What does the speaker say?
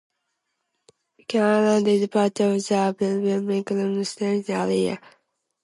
Pecan Island is part of the Abbeville Micropolitan Statistical Area.